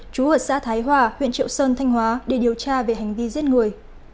chú ở xã thái hòa huyện triệu sơn thanh hóa để điều tra về hành vi giết người